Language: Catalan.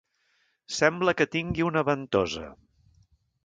Sembla que tingui una ventosa!